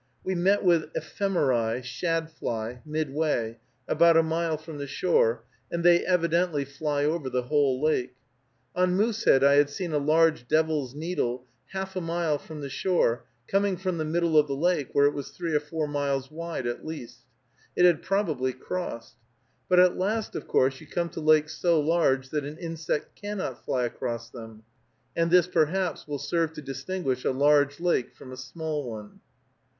We met with ephemeræ (shadfly) midway, about a mile from the shore, and they evidently fly over the whole lake. On Moosehead I had seen a large devil's needle half a mile from the shore, coming from the middle of the lake, where it was three or four miles wide at least. It had probably crossed. But at last, of course, you come to lakes so large that an insect cannot fly across them; and this, perhaps, will serve to distinguish a large lake from a small one.